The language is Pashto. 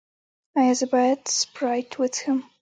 ایا زه باید سپرایټ وڅښم؟